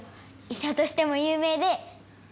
いしゃとしても有名で。